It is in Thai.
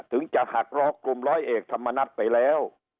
ถึงจะหักล็อกกลุ่มร้อยเอกธรรมนัฐไปแล้ว